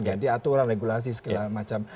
ganti aturan regulasi segala macam